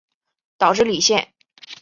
岛智里线